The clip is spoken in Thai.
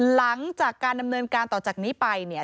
หลังจากการดำเนินการต่อจากนี้ไปเนี่ย